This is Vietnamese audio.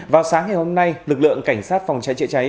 vào sáng ngày hôm nay lực lượng cảnh sát phòng cháy chữa cháy